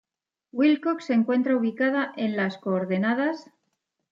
Wilcox se encuentra ubicada en las coordenadas